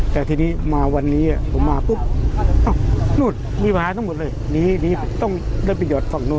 แต่ทีนี้มาวันนี้ผมมาปุ๊บอ้าวนู่นมีปัญหาทั้งหมดเลยหนีต้องเริ่มไปหยดฝั่งโน้น